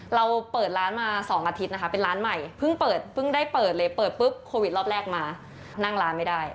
เราเปิดร้านมา๒อาทิตย์นะคะเป็นร้านใหม่เพิ่งเปิดเพิ่งได้เปิดเลยเปิดปุ๊บโควิดรอบแรกมานั่งร้านไม่ได้